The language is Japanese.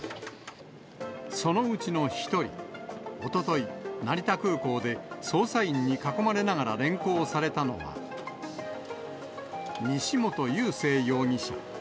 そのうちの１人、おととい、成田空港で、捜査員に囲まれながら連行されたのは、西本佑聖容疑者。